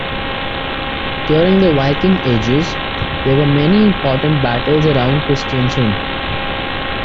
During the Viking ages there were many important battles around Kristiansund.